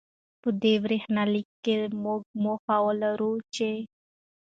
په دې برېښنالیک کې، موږ موخه لرو چې